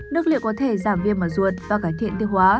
nước lựu có thể giảm viêm ở ruột và cải thiện tiêu hóa